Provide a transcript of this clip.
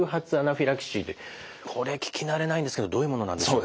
これ聞き慣れないんですけどどういうものなんでしょう。